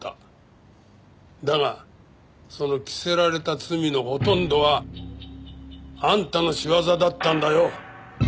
だがその着せられた罪のほとんどはあんたの仕業だったんだよ。